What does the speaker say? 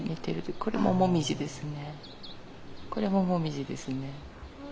これももみじですね。